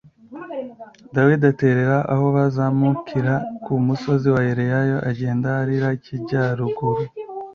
Dawidi aterera aho bazamukira ku musozi wa Elayono agenda arira ikijyaruguru